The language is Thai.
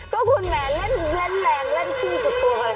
ก็คุณแหมเล่นแรงเล่นขี้สุดตัว